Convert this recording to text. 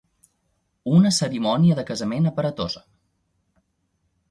Una cerimònia de casament aparatosa.